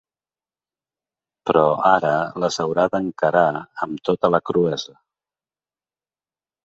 Però ara les haurà d’encarar amb tota la cruesa.